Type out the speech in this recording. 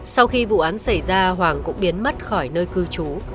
sau khi vụ án xảy ra hoàng cũng biến mất khỏi nơi cư trú